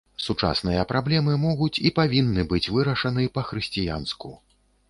Сучасныя праблемы могуць і павінны быць вырашаны па-хрысціянску.